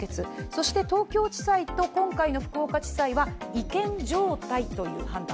そして東京地裁と今回の福岡地裁は違憲状態という判断。